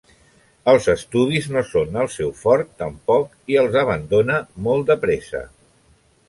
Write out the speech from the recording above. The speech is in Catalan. Els estudis no són el seu fort tampoc i els abandona molt de pressa.